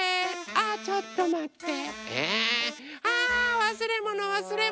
ちょっとまって。